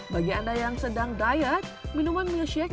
bagi anda yang sedang diet minuman milkshake